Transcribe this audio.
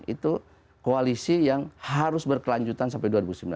itu koalisi yang harus berkelanjutan sampai dua ribu sembilan belas